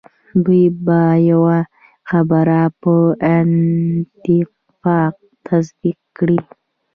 دوی به یوه خبره په اتفاق تصدیق کړي.